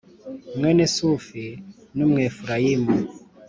Mwene Sufi n’Umwefurayimu .